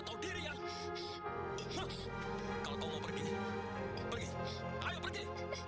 tahu diri kalau mau pergi pergi ayo pergi